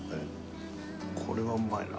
これはうまいな。